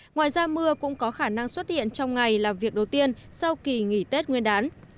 ngoài ra mưa cũng có khả năng xuất hiện trong ngày làm việc đầu tiên sau kỳ nghỉ tết nguyên đán